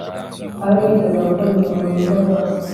babe biteguye gukora imirimo myiza yose